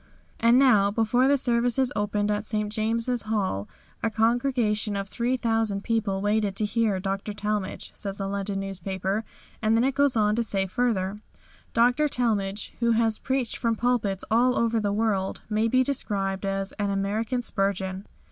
"And now before the services opened at St. James' Hall a congregation of 3,000 people waited to hear Dr. Talmage," says a London newspaper. Then it goes on to say further: "Dr. Talmage, who has preached from pulpits all over the world, may be described as an 'American Spurgeon.'